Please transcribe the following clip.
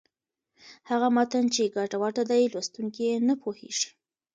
هغه متن چې ګډوډه دی، لوستونکی یې نه پوهېږي.